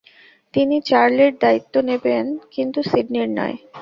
তিনি চার্লির দায়িত্ব নিবেন কিন্তু সিডনির নয়।